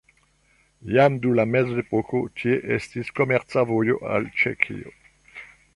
Jam dum la mezepoko tie estis komerca vojo al Ĉeĥio.